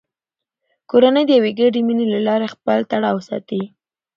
کورنۍ د یوې ګډې مینې له لارې خپل تړاو ساتي